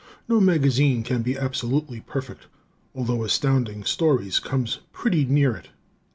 No magazine can be absolutely perfect, although Astounding Stories comes pretty near it.